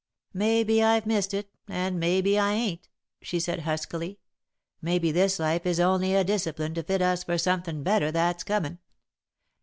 "Maybe I've missed it and maybe I ain't," she said, huskily. "Maybe this life is only a discipline to fit us for somethin' better that's comin'.